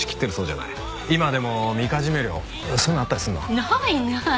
ないない！